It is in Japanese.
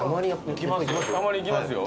たまに行きますよ。